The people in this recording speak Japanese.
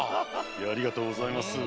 ありがとうございます。